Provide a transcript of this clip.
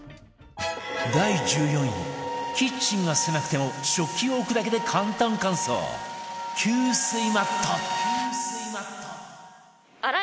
第１４位キッチンが狭くても食器を置くだけで簡単乾燥吸水マット